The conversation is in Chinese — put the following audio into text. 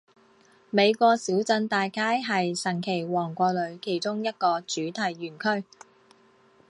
美国小镇大街是神奇王国里其中一个主题园区。